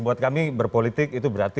buat kami berpolitik itu berarti